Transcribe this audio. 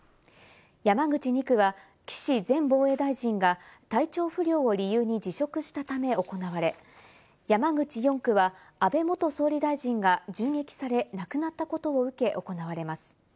山口２区は岸前防衛大臣が体調不良を理由に辞職したため行われ、山口４区は安倍元総理大臣が銃撃され亡くなったことを受け、行われます。